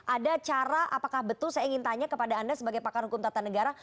ada cara apakah betul saya ingin tanya kepada anda sebagai pakar hukum tata negara